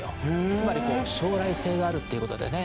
つまり将来性があるっていうことでね